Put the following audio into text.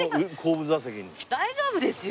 大丈夫ですよ。